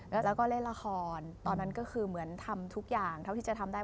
แล้วก็เล่นละครตอนนั้นก็คือเหมือนทำทุกอย่างเท่าที่จะทำได้